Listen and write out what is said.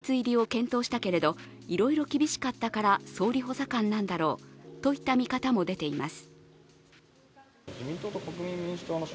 国民民主党内からは、連立入りを検討したけれどいろいろ厳しかったから総理補佐官なんだろうといった見方も出ています。